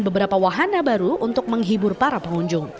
beberapa wahana baru untuk menggabungkan